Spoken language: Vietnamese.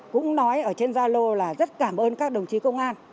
cũng nói ở trên gia lô là rất cảm ơn các đồng chí công an